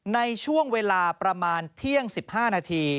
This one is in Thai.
ในช่วงเวลาประมาณเที่ยง๑๕นาที